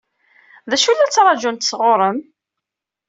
D acu i la ttṛaǧunt sɣur-m?